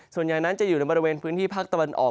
ส่วนใหญ่นั้นจะอยู่ในบริเวณพื้นที่ภาคตะวันออก